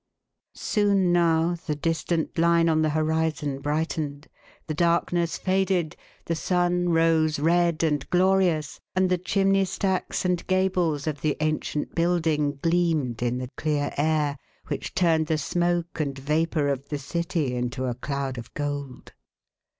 Soon, now, the distant line on the horizon brightened, the darkness faded, the sun rose red and glorious, and the chimney stacks and gables of the ancient building gleamed in the clear air, which turned the smoke and vapour of the city into a cloud of gold.